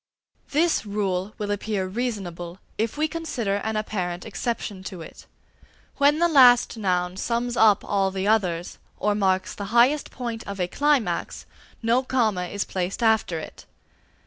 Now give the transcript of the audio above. This rule will appear reasonable if we consider an apparent exception to it. When the last noun sums up all the others, or marks the highest point of a climax, no comma is placed after it.